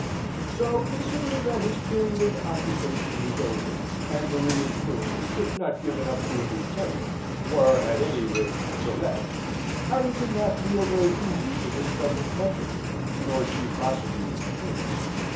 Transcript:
So considering that his period of occupation was over, and Maria's rooms, if not given up to a new tenant, were, at any rate, to let, Harry did not feel very easy in his cousin's company, nor she possibly in his.